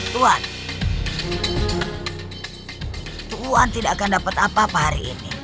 tuhan tuhan tidak akan dapat apa apa hari ini